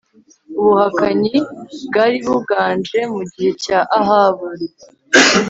Ubuhakanyi bwari buganje mu gihe cya Ahabu